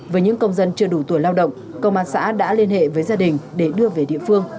với những công dân chưa đủ tuổi lao động công an xã đã liên hệ với gia đình để đưa về địa phương